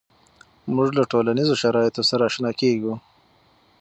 مونږ له ټولنیزو شرایطو سره آشنا کیږو.